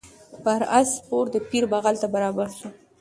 پر آس سپور د پیر بغل ته برابر سو